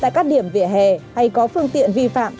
tại các điểm vỉa hè hay có phương tiện vi phạm